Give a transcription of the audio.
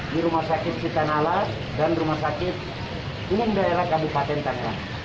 di rumah sakit cipta nalas dan rumah sakit umum daerah kabupaten tangerang